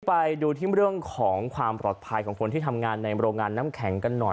ไปดูที่เรื่องของความปลอดภัยของคนที่ทำงานในโรงงานน้ำแข็งกันหน่อย